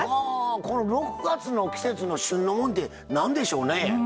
６月の季節の旬のもんって何でしょうね？